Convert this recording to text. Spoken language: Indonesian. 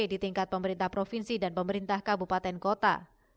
di tingkat pemerintah provinsi dan pemerintah kabupaten kota